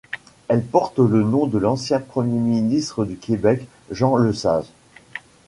Elle porte le nom de l'ancien premier ministre du Québec Jean Lesage.